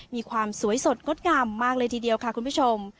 มีความสวยสดงดงามมากเลยทีเดียวค่ะคุณผู้ชม